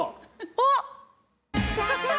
あっ！